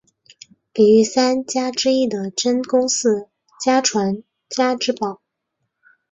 里御三家之一的真宫寺家传家之宝。